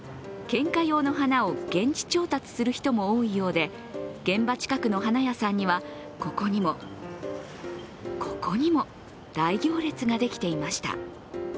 献花用の花を現地調達する人も多いようで現場近くの花屋さんには、ここにもここにも大行列ができていました。